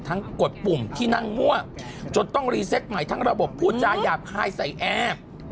กดปุ่มที่นั่งมั่วจนต้องรีเซตใหม่ทั้งระบบพูดจาหยาบคายใส่แอร์